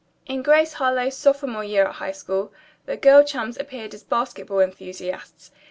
In "Grace Harlowe's Sophomore Year at High School" the girl chums appeared as basketball enthusiasts.